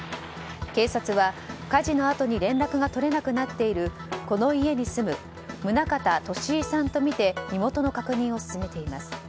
警察は火事のあとに連絡が取れなくなっているこの家に住む宗形トシイさんとみて身元の確認を進めています。